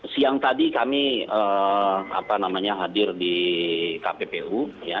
siang tadi kami hadir di kppu